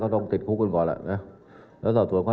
ทุกมันก็มีเอาออกไป